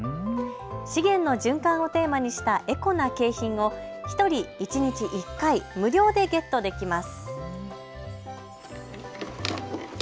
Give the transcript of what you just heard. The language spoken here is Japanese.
資源の循環をテーマにしたエコな景品を１人一日１回無料でゲットできます。